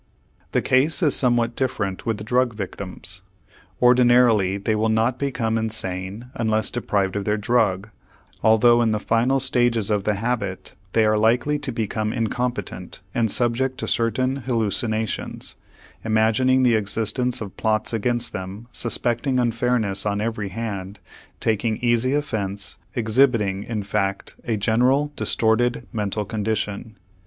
The case is somewhat different with drug victims. Ordinarily they will not become insane unless deprived of their drug, although in the final stages of the habit they are likely to become incompetent and subject to certain hallucinations, imagining the existence of plots against them, suspecting unfairness on every hand, taking easy offense, exhibiting, in fact, a general distorted mental condition.